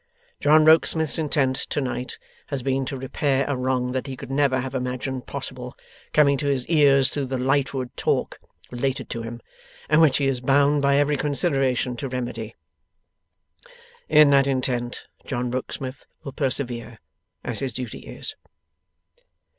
John Rokesmith's intent to night has been to repair a wrong that he could never have imagined possible, coming to his ears through the Lightwood talk related to him, and which he is bound by every consideration to remedy. In that intent John Rokesmith will persevere, as his duty is.